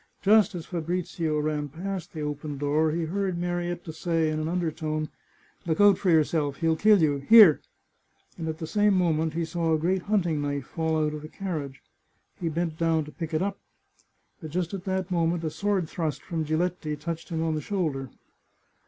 Just as Fabrizio ran past the open door he heard Marietta say in an undertone :" Look out for yourself ; he'll kill you ! Here !" and at the same mo ment he saw a great hunting knife fall out of the carriage. He bent down to pick it up, but just at that moment a sword thrust from Giletti touched him on the shoulder.